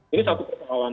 ini satu persoalan